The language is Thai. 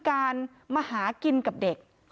การมาหากินกับเด็ก